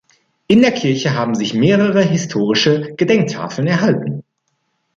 In der Kirche haben sich mehrere historische Gedenktafeln erhalten.